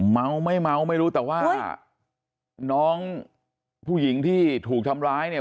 เมาไม่เมาไม่รู้แต่ว่าน้องผู้หญิงที่ถูกทำร้ายเนี่ย